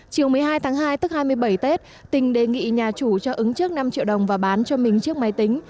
chiều một mươi hai tháng hai tức hai mươi bảy tết tình đề nghị nhà chủ cho ứng trước năm triệu đồng và bán cho mình chiếc máy tính